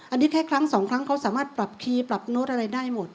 อันนี้แค่ครั้งสองครั้งเขาสามารถปรับคีย์ปรับโน้ตอะไรได้หมด